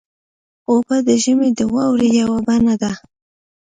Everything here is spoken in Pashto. اوبه د ژمي د واورې یوه بڼه ده.